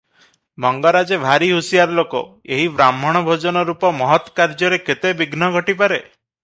ମଙ୍ଗରାଜେ ଭାରିହୁସିଆର ଲୋକ ଏହି ବାହ୍ମଣ ଭୋଜନ ରୂପ ମହତ୍ କାର୍ଯ୍ୟରେ କେତେ ବିଘ୍ନ ଘଟିପାରେ ।